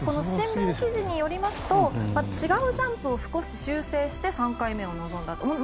新聞記事によりますと違うジャンプを少し修正して３回目を臨んだと。